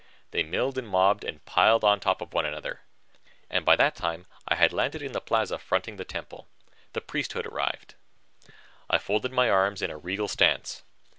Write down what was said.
They milled and mobbed and piled on top of one another, and by that time I had landed in the plaza fronting the temple. The priesthood arrived. I folded my arms in a regal stance.